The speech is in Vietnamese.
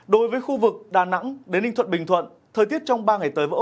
đối với khu vực đà nẵng đến ninh thuận bình thuận thời tiết trong ba ngày tới với âu